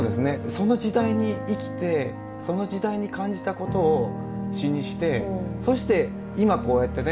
その時代に生きてその時代に感じた事を詩にしてそして今こうやってね